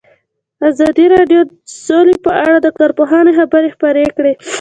ازادي راډیو د سوله په اړه د کارپوهانو خبرې خپرې کړي.